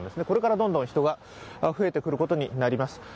これからどんどん人が増えてくることになります。